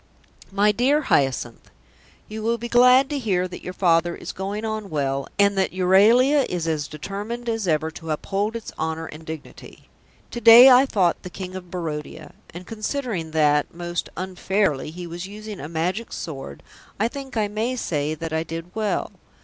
"MY DEAR HYACINTH, "You will be glad to hear that your father is going on well and that Euralia is as determined as ever to uphold its honour and dignity. To day I fought the King of Barodia, and considering that, most unfairly, he was using a Magic Sword, I think I may say that I did well.